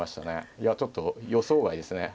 いやちょっと予想外ですね。